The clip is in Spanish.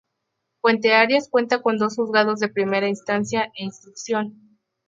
Puenteareas cuenta con dos Juzgados de Primera Instancia e Instrucción.